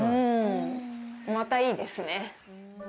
またいいですね。